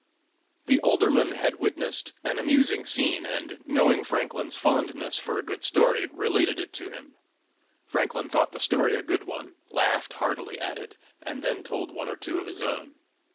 The Alderman had witnessed an amusing scene, and, knowing Franklin's fondness for a good story, related it to him. Franklin thought the story a good one, laughed heartily at it, and then told one or two of his own.